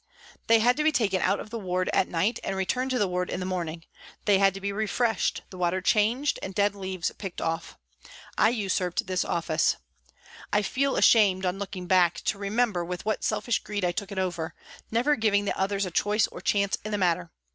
They had to be taken out of the ward at night and returned to the ward in the morning ; they had to be refreshed, the water changed and dead leaves picked off. I usurped this office. I feel ashamed, on looking back, to remember with what selfish greed I took it over, never giving the others a choice or chance in the matter.